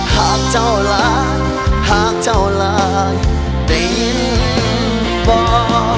หากเจ้าหลานหากเจ้าหลานได้ยินบ่อ